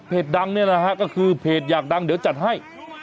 ดังเนี่ยนะฮะก็คือเพจอยากดังเดี๋ยวจัดให้